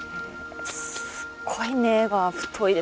すっごい根が太いですね。